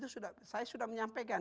saya sudah menyampaikan